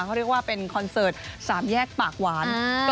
เขาเรียกว่าเป็นคอนเสิร์ต๓แยกปากหวาน